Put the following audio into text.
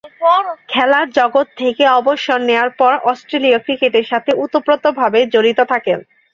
খেলার জগৎ থেকে অবসর নেয়ার পর অস্ট্রেলীয় ক্রিকেটের সাথে ওতপ্রোতভাবে জড়িত থাকেন।